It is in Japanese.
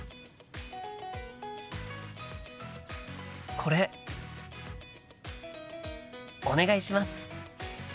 これお願いします。